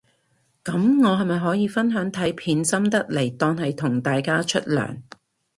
噉我係咪可以分享睇片心得嚟當係同大家出糧